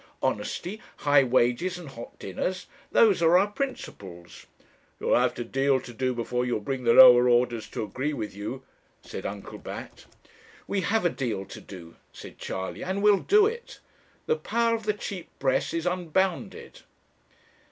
Honesty, high wages, and hot dinners. Those are our principles.' 'You'll have a deal to do before you'll bring the lower orders to agree with you,' said Uncle Bat. 'We have a deal to do,' said Charley, 'and we'll do it. The power of the cheap press is unbounded.'